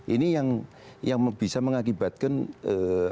ini yang bisa mengakibatkan apa ini